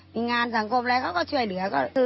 มีงานสังคมอะไรเขาก็ช่วยเหลือ